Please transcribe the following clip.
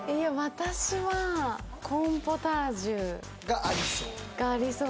私はコーンポタージュがありそう？